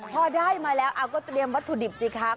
พอได้มาแล้วก็เตรียมวัตถุดิบสิครับ